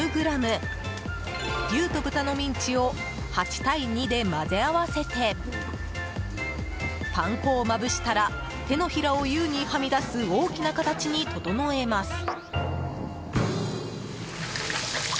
牛と豚のミンチを８対２で混ぜ合わせてパン粉をまぶしたら手のひらを優にはみ出す大きな形に整えます。